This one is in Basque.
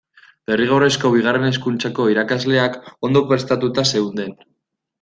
Derrigorrezko Bigarren Hezkuntzako irakasleak ondo prestatuta zeuden.